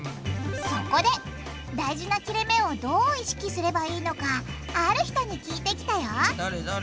そこで大事な切れめをどう意識すればいいのかある人に聞いてきたよ誰？